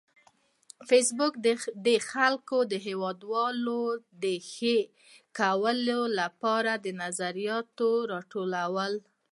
فېسبوک د خپلو هیوادونو د ښه کولو لپاره نظریات راټولوي